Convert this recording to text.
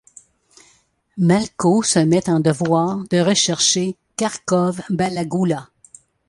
Malko se met en devoir de rechercher Karkov Balagula.